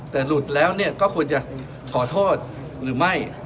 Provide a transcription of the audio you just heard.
แต่หลุดแล้วก็ควรจะขอโทษหรือไม่